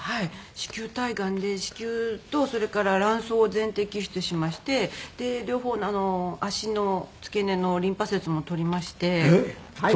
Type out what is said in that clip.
子宮体がんで子宮とそれから卵巣を全摘出しましてで両方の足の付け根のリンパ節も取りまして。